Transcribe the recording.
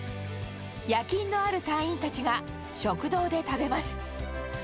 夜勤のある隊員たちが、食堂で食べます。